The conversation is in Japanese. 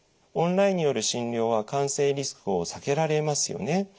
オンラインによる診療は感染リスクを避けられますよね。